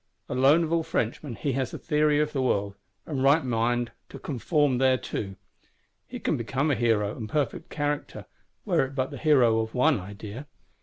Alone of all Frenchmen he has a theory of the world, and right mind to conform thereto; he can become a hero and perfect character, were it but the hero of one idea.